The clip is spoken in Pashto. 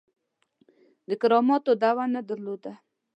د کراماتو دعوه نه درلوده.